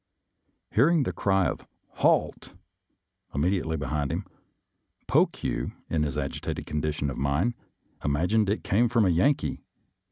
Hearing the cry of " Halt !" immediately behind him, Pokue, in his agitated condition of mind, imagined it came from a Yankee.